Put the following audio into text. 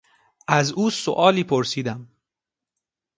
از او سؤالی پرسیدم.